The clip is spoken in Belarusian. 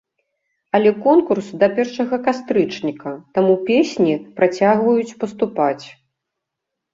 Але конкурс да першага кастрычніка, таму песні працягваюць паступаць.